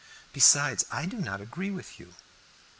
Besides, I do not agree with you."